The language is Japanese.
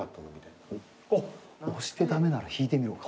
押して駄目なら引いてみろか。